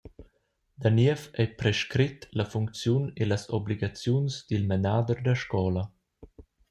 Daniev ei prescret la funcziun e las obligaziuns dil menader da scola.